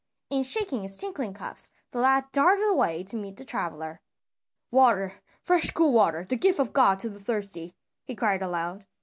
And shaking his tinkling cups, the lad darted away to meet the traveler. "Water! Fresh cool water, the gift of God to the thirsty!" he cried aloud.